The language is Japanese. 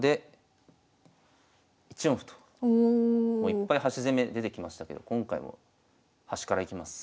いっぱい端攻め出てきましたけど今回も端からいきます。